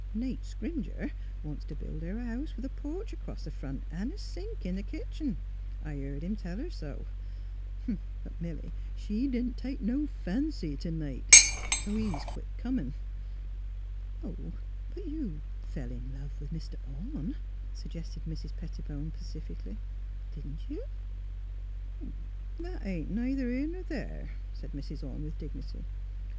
Nate Scrimger wants t' build her a house with a porch acrost th' front an' a sink in th' kitchen; I heerd him tell her so. But Milly, she didn't take no fancy V Nate; so he's quit comin'." '* But you — fell in love with Mr. Orne," sug gested Mrs. Pettibone, pacifically, " didn't you? "*' That ain't neither here ner there," said Mrs. Orne, wi^h dignity.